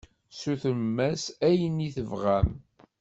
Sutrem-as ayen i tebɣam.